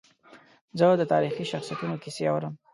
زه د تاریخي شخصیتونو کیسې اورم.